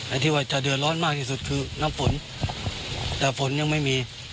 ที่ว่าจะเดือดร้อนมากที่สุดคือน้ำฝนแต่ฝนยังไม่มี